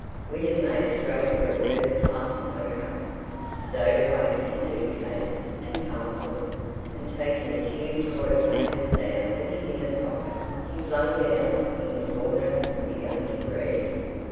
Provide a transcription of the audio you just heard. William made straight for a first class smoker, stowed away his suit case and parcels, and taking a huge wad of papers out of his inner pocket, he flung down in the corner and began to read.